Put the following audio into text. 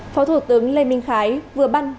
phó thủ tướng lê minh khái vừa ban